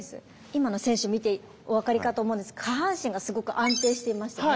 今の選手を見てお分かりかと思うんですが下半身がすごく安定していましたね。